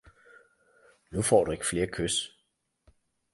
Nu får du ikke flere kys!